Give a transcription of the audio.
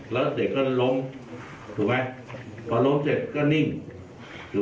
แล้วเด็กก็ล้มถูกไหมพอล้มเสร็จก็นิ่งอยู่